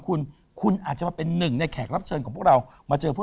คุณคุณอาจจะมาเป็นหนึ่งในแขกรับเชิญของพวกเรามาเจอพวก